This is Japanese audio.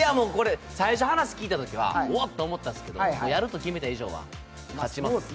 最初、話聞いたときはおっと思ったんですが、やると決めた以上は勝ちます！